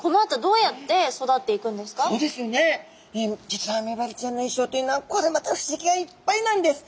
実はメバルちゃんの一生っていうのはこれまた不思議がいっぱいなんです。